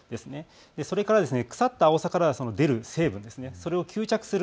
それから腐ったアオサから出る成分、それを吸着する